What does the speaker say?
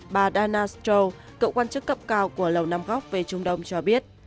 bà diana stroll cậu quan chức cấp cao của lầu năm góc về trung đông cho biết